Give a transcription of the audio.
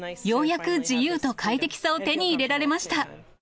ようやく自由と快適さを手に入れられました。